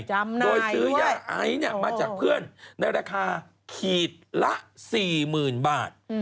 จำหน่ายด้วยโดยซื้อยาไอเนี่ยมาจากเพื่อนในราคาขีดละ๔๐๐๐๐บาท